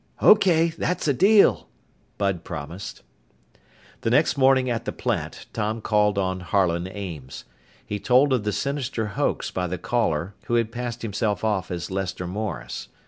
"Okay, that's a deal," Bud promised. The next morning at the plant Tom called on Harlan Ames. He told of the sinister hoax by the caller who had passed himself off as Lester Morris.